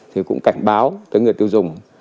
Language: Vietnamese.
thì cũng cảnh báo tới người tiêu dùng